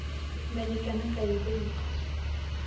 Мәликәнең ғәйебе юҡ...